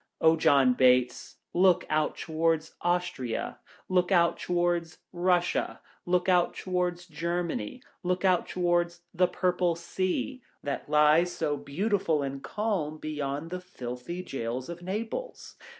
O John Bates, look out towards Austria, look out towards Russia, look out towards Germany, look out towards the purple Sea, that lies so beautiful and calm beyond the filthy jails of Naples